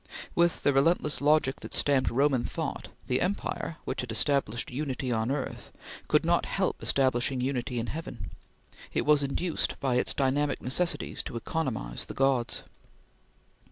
With the relentless logic that stamped Roman thought, the empire, which had established unity on earth, could not help establishing unity in heaven. It was induced by its dynamic necessities to economize the gods.